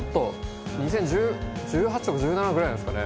２０１８とか１７ぐらいですかね。